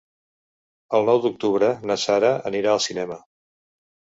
El nou d'octubre na Sara anirà al cinema.